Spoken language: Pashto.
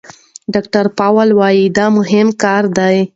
ډاکتر پاولو وايي دا مهم کار دی.